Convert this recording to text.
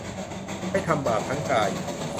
ไม่ทำบาปทั้งกาย